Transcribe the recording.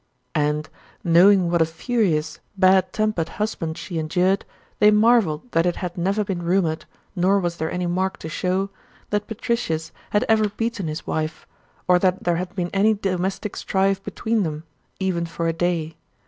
And, knowing what a furious, bad tempered husband she endured, they marveled that it had never been rumored, nor was there any mark to show, that Patricius had ever beaten his wife, or that there had been any domestic strife between them, even for a day.